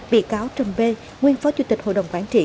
bị cáo trừng bê nguyên phó chủ tịch hội đồng quản trị